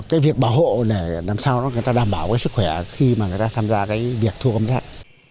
cái việc bảo hộ để làm sao đó người ta đảm bảo cái sức khỏe khi mà người ta tham gia cái việc thu gom rác